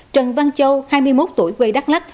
trần văn châu hai mươi một tuổi quê đắk lắc